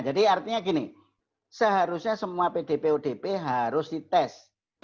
jadi artinya gini seharusnya semua pdp udp harus dites